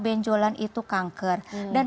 benjolan itu kanker dan